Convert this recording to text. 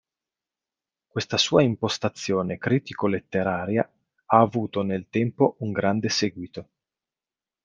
Questa sua impostazione critico-letteraria ha avuto nel tempo un grande seguito.